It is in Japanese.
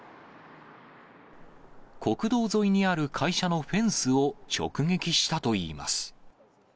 国道沿いにある会社のフェンスを直撃したといいます。